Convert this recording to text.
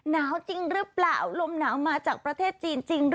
หนาวจริงหรือเปล่าลมหนาวมาจากประเทศจีนจริง